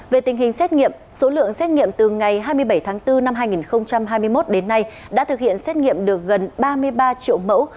về tình hình xét nghiệm số lượng xét nghiệm từ ngày hai mươi bảy tháng bốn năm hai nghìn hai mươi một đến nay đã thực hiện xét nghiệm được gần ba mươi ba triệu mẫu